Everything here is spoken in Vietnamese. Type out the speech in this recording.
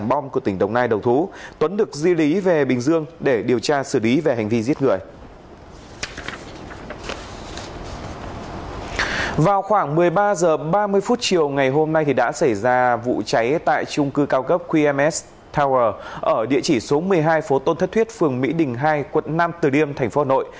ở địa chỉ số một mươi hai phố tôn thất thuyết phường mỹ đình hai quận năm từ điêm thành phố hà nội